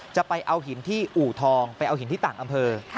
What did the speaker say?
จะเอาหินที่อู่ทองไปเอาหินที่ต่างอำเภอ